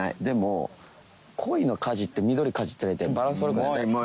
でも濃いのかじって緑かじってないってバランス悪くない？